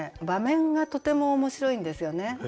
場面がとても面白いんですよね。